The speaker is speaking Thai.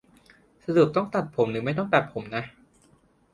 สรุปต้องตัดผมหรือไม่ต้องตัดผมนะ